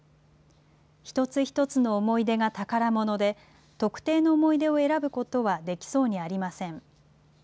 一つ一つの思い出が宝物で、特定の思い出を選ぶことはできそうにありません。